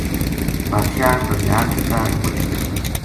بادشاہ بھگیاڑ کے کاہڈ مچ بھَجیو